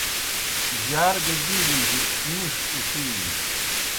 جار گہ بِیلِجیْ نِیݜ اُڇِینیْ